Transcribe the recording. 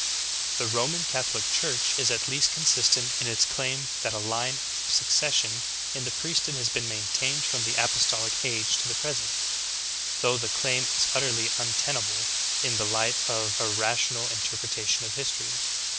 24. The Roman Catholic Church is at least consistent in its claim that a line of succession in the priesthood has been maintained from the apostolic age to the present, though the claim is utterly untenable in the light of a rational interpre tation of history.